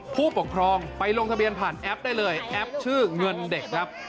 ผู้ปกครองไปลงทะเบียนผ่านแอปได้เลยแอปชื่อเงินเด็กครับ